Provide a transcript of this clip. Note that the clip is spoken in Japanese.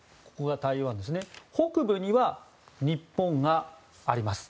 台湾の北部には日本があります。